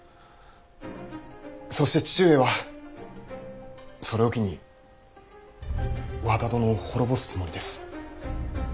そして父上はそれを機に和田殿を滅ぼすつもりです。